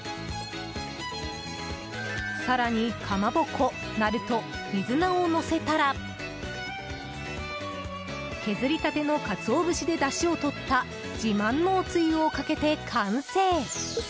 更に、かまぼこ、なると水菜をのせたら削りたてのカツオ節でだしをとった自慢のおつゆをかけて完成。